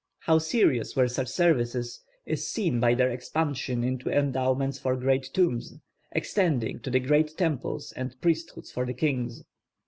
How serious were such services is seen by their expansion into endowments for great tombs, extending to the great temples and priesthoods for the kings.